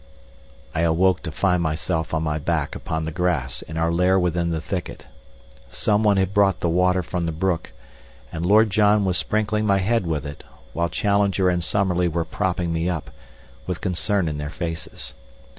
I awoke to find myself on my back upon the grass in our lair within the thicket. Someone had brought the water from the brook, and Lord John was sprinkling my head with it, while Challenger and Summerlee were propping me up, with concern in their faces.